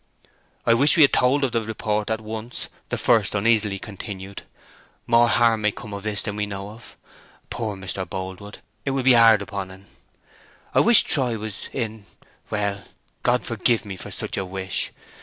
"I wish we had told of the report at once," the first uneasily continued. "More harm may come of this than we know of. Poor Mr. Boldwood, it will be hard upon en. I wish Troy was in—Well, God forgive me for such a wish!